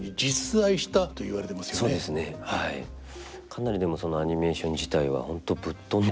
かなりでもそのアニメーション自体はホントぶっとんでて。